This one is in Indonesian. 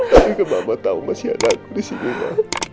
tapi kemampuan tahu masih ada aku di sini ma